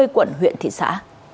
ba mươi quận huyện thị xã